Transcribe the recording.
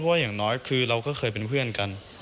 เพราะว่าอย่างน้อยคือเราก็เคยเป็นเพื่อนกัน